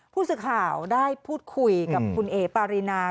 ผู้สื่อข่าวได้พูดคุยกับคุณเอ๋ปารีนา